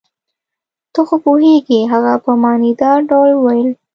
ته خو پوهېږې. هغه په معنی دار ډول وویل.